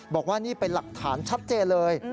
บอกว่านี่เป็นหลักฐานชัดเจนเลย